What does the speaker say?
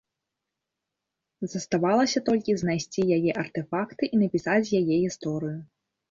Заставалася толькі знайсці яе артэфакты і напісаць яе гісторыю.